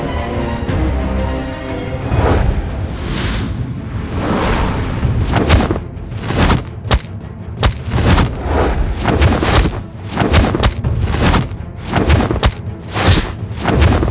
untuk ingin tahu lebihhrlich